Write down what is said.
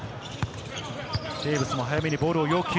テーブスも早めにボールを要求。